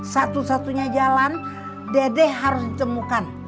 satu satunya jalan dedek harus ditemukan